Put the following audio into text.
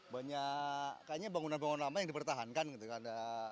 banyak kayaknya bangunan bangunan lama yang dipertahankan gitu kan